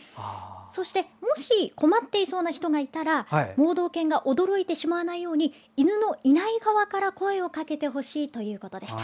そしてもし困っていそうな人がいたら盲導犬が驚いてしまわないように犬のいない側から声をかけてほしいということでした。